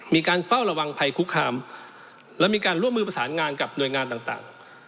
มีการเฝ้าระวังภัยคุกคามและมีการร่วมมือประสานงานกับหน่วยงานต่าง